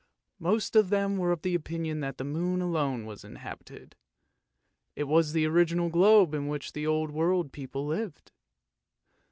Most of them were of opinion that the moon alone was inhabited, it was the original globe in which the old world people lived.